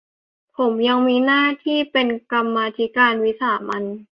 ผมยังมีหน้าที่เป็นกรรมาธิการวิสามัญ